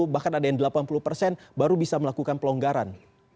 bahkan ada yang delapan puluh persen baru bisa melakukan pelonggaran